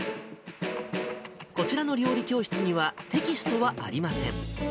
こちらの料理教室には、テキストはありません。